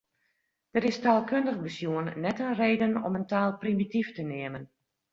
Der is taalkundich besjoen net in reden om in taal primityf te neamen.